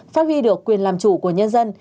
phát huy được quyền làm chủ của nhân dân